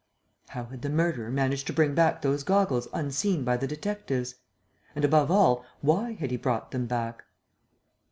How had the murderer managed to bring back those goggles unseen by the detectives? And, above all, why had he brought them back?